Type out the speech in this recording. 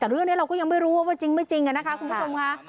แต่เรื่องนี้เราก็ยังไม่รู้ว่าว่าจริงคุณผู้ชมค่ะ